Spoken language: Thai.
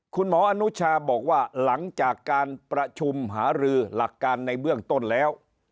คุณหมออนุชาบอกว่าหลังจากการประชุมหารือหลักการในเบื้องต้นแล้ว